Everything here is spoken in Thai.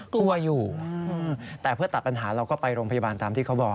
กลัวอยู่แต่เพื่อตัดปัญหาเราก็ไปโรงพยาบาลตามที่เขาบอก